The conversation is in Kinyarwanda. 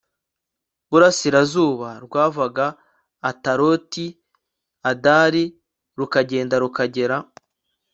burasirazuba rwavaga ataroti adari u rukagenda rukagera